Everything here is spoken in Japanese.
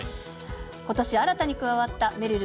ことし、新たに加わっためるる